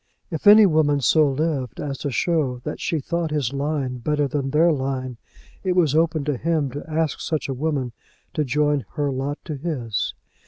If any woman so lived as to show that she thought his line better than their line, it was open to him to ask such woman to join her lot to his.